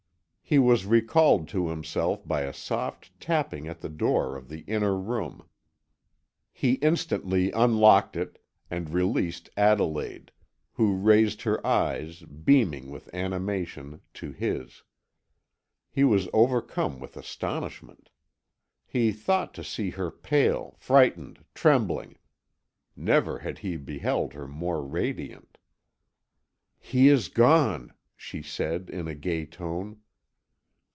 He was recalled to himself by a soft tapping at the door of the inner room. He instantly unlocked it, and released Adelaide, who raised her eyes, beaming with animation, to his. He was overcome with astonishment. He thought to see her pale, frightened, trembling. Never had he beheld her more radiant. "He is gone," she said in a gay tone.